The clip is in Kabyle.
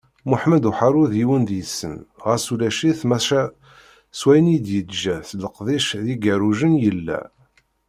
Muḥemmed Uharu d yiwen deg-sen, ɣas ulac-it, maca s wayen i d-yeǧǧa d leqdic d yigerrujen yella.